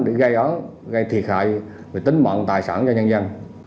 để gây án gây thiệt hại về tính mạng tài sản cho nhân dân